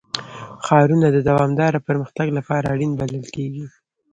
ښارونه د دوامداره پرمختګ لپاره اړین بلل کېږي.